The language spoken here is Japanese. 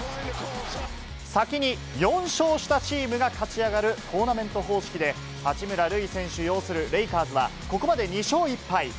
先に４勝したチームが勝ち上がるトーナメント方式で、八村塁選手を擁するレイカーズはここまで２勝１敗。